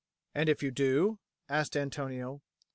"And if you do?" asked Antonio.